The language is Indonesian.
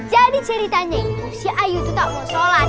jadi ceritanya itu si ayu itu tak mau sholat